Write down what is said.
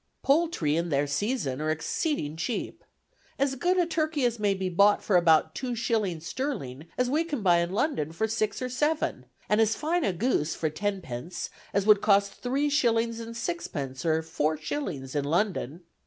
"Poultry in their season are exceeding cheap. As good a turkey may be bought for about two shillings sterling as we can buy in London for six or seven, and as fine a goose for tenpence as would cost three shillings and sixpence or four shillings in London.